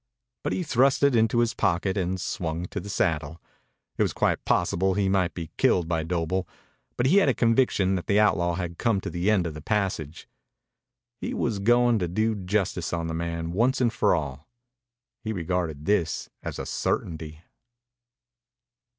But he thrust it into his pocket and swung to the saddle. It was quite possible he might be killed by Doble, but he had a conviction that the outlaw had come to the end of the passage. He was going to do justice on the man once for all. He regarded this as a certainty.